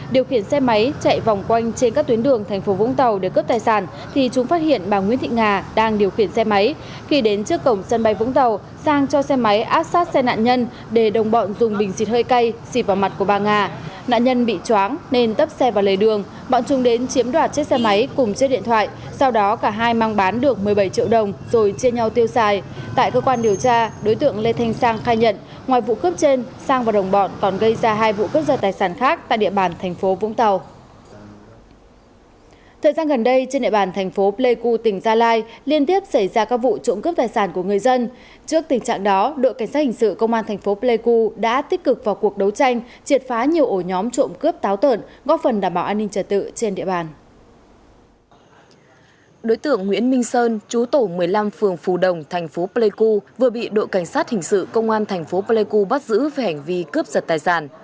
đối tượng nguyễn minh sơn chú tổ một mươi năm phường phù đồng thành phố pleiku vừa bị đội cảnh sát hình sự công an thành phố pleiku bắt giữ về hành vi cướp giật tài sản